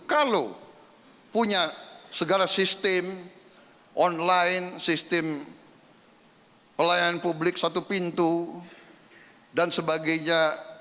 kalau punya segala sistem online sistem pelayanan publik satu pintu dan sebagainya